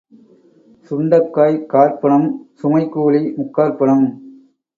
சுண்டைக்காய் காற்பணம், சுமை கூலி முக்காற்பணம்.